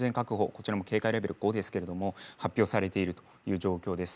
こちらも警戒レベル５ですけども発表されている状況です。